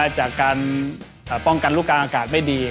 จากการป้องกันลูกกลางอากาศไม่ดี